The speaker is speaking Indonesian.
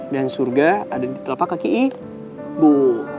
dan surga ada di telapak kaki ibu